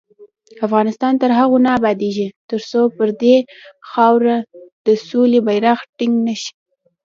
افغانستان تر هغو نه ابادیږي، ترڅو پر دې خاوره د سولې بیرغ ټینګ نشي.